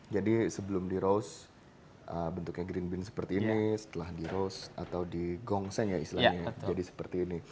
jadi sebelum di roast bentuknya green bean seperti ini setelah di roast atau di gongsen ya islanya jadi seperti ini